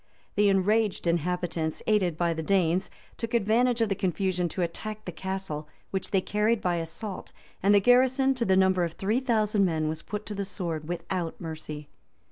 The enraged inhabitants, aided by the Danes, took advantage of the confusion to attack the castle, which they carried by assault; and the garrison, to the number of three thousand men, was put to the sword without mercy.